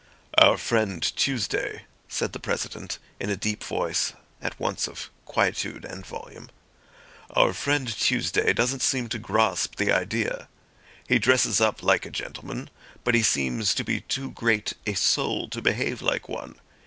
"Our friend Tuesday," said the President in a deep voice at once of quietude and volume, "our friend Tuesday doesn't seem to grasp the idea. He dresses up like a gentleman, but he seems to be too great a soul to behave like one.